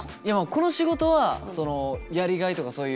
この仕事はそのやりがいとかそういうね